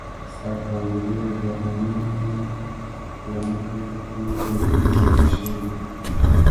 سږ کال د ډېرو بارانو نو له مخې ټولې مېوې داغي شوي دي.